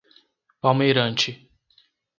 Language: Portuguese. Palmeirante